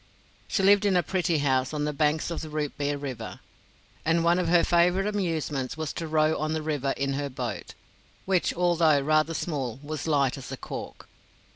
She lived in a pretty house on the banks of Rootbeer River, and one of her favorite amusements was to row on the river in her boat, which, although rather small, was light as a cork.